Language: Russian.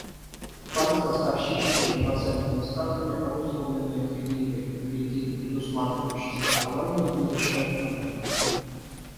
Банк с ростовщическими процентными ставками, обусловленные кредиты и кредиты, предусматривающие страхование, не решают проблемы.